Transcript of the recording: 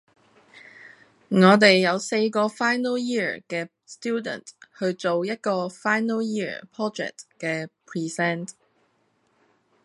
我哋有四個 final year 嘅 student 去做一個 final year project 嘅 present